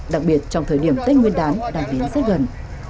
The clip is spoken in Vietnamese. đặc biệt trong thời điểm tết nguyên đán đang đến rất gần